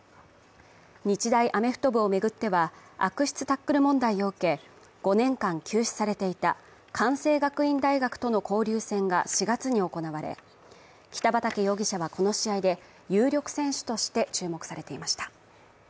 日大アメフト部を巡っては悪質タックル問題を受け５年間休止されていた関西学院大学との交流戦が４月に行われ、北畠容疑者はこの試合で有力選手として注目されていました。